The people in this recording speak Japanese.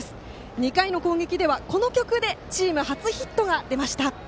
２回の攻撃ではこの曲でチーム初ヒットが出ました。